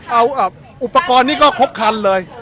เอาอุปกรณ์นี้ก็ครบคันเลย